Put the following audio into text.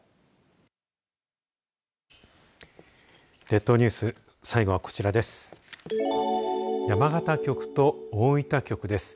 列島ニュース、最後はこちらです。